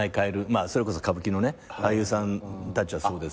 それこそ歌舞伎の俳優さんたちはそうですけど。